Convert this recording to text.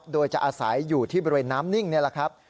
โดยจะอาศัยอยู่ที่บริเวณน้ำนิ่งนี่แหละครับ